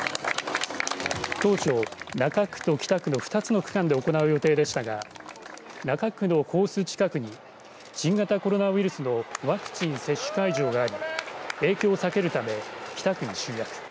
当初、中区と北区の２つの区間で行われで予定でしたが中区のコース近くに新型コロナウイルスのワクチン接種会場があり影響を避けるため北区に集約。